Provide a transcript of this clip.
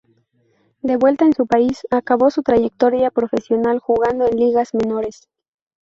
De vuelta en su país, acabó su trayectoria profesional jugando en ligas menores.